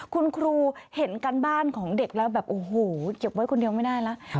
คุณครูเห็นการบ้านของเด็กแล้วแบบโอ้โหเก็บไว้คนเดียวไม่ได้แล้ว